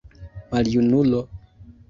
Maljunulo!